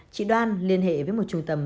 chị đoan liên hệ với một trung tâm